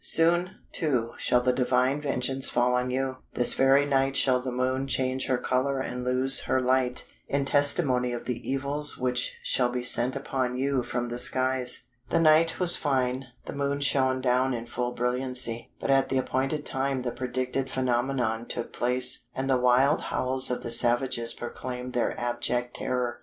Soon, too, shall the divine vengeance fall on you; this very night shall the Moon change her colour and lose her light, in testimony of the evils which shall be sent upon you from the skies.' "The night was fine: the moon shone down in full brilliancy. But at the appointed time the predicted phenomenon took place, and the wild howls of the savages proclaimed their abject terror.